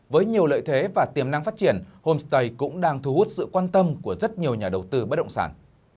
với nhiều lợi thế và tiềm năng phát triển homestay cũng đang thu hút sự quan tâm của rất nhiều nhà đầu tư bất động sản